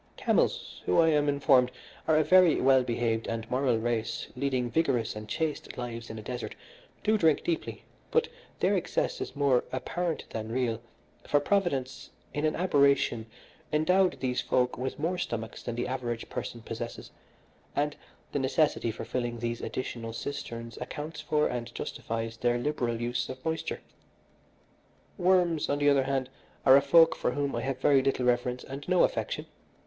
Camels, who, I am informed, are a very well behaved and moral race leading rigorous and chaste lives in a desert, do drink deeply, but their excess is more apparent than real, for Providence in an aberration endowed these folk with more stomachs than the average person possesses, and the necessity for filling these additional cisterns accounts for and justifies their liberal use of moisture. Worms, on the other hand, are a folk for whom I have very little reverence and no affection.